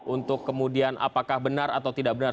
untuk kemudian apakah benar atau tidak benar